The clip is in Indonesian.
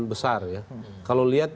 besar ya kalau lihat